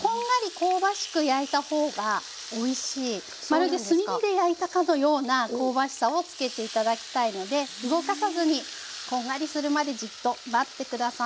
まるで炭火で焼いたかのような香ばしさをつけて頂きたいので動かさずにこんがりするまでじっと待って下さい。